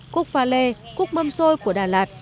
cúc pha lê cúc mâm xôi của đà lạt